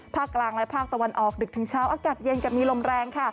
ภาคกลางและภาคตะวันออกดึกถึงเช้าอากาศเย็นกับมีลมแรงค่ะ